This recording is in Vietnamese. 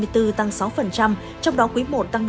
trong đó quý một tăng năm sáu mươi sáu